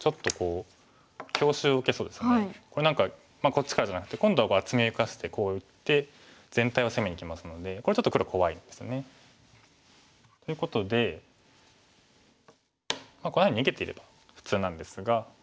こっちからじゃなくて今度は厚みを生かしてこう打って全体を攻めにきますのでこれちょっと黒怖いですよね。ということでこんなふうに逃げていれば普通なんですが。